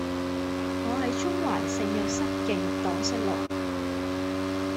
我喺中環聖若瑟徑盪失路